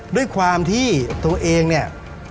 ด้วยความที่ตัวเองเนี่ย